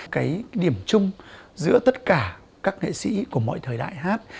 cái điểm chung giữa tất cả các nghệ sĩ của mọi thời đại hát